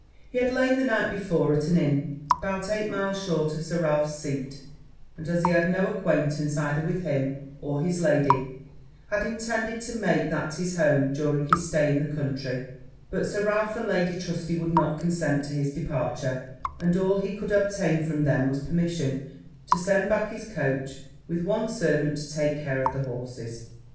He had lain the night before at an inn about eight miles short of Sir Ralph's seat; and, as he had no acquaintance either with him or his lady, had intended to make that his home during his stay in the country: but Sir Ralph and Lady Trusty would not consent to his departure; and all he could obtain from them was, permission to send back his coach, with one servant to take care of the horses.